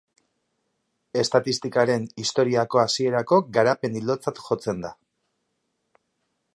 Estatistikaren historiako hasierako garapen-ildotzat jotzen da.